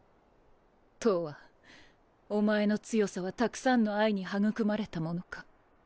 とわおまえの強さはたくさんの愛に育まれたものか。